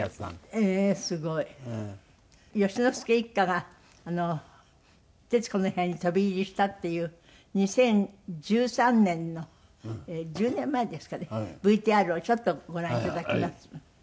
善之介一家が『徹子の部屋』に飛び入りしたっていう２０１３年の１０年前ですかねＶＴＲをちょっとご覧いただきます。